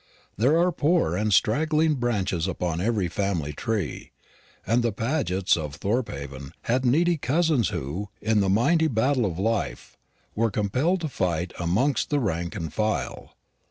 There are poor and straggling branches upon every family tree; and the Pagets of Thorpehaven had needy cousins who, in the mighty battle of life, were compelled to fight amongst the rank and file.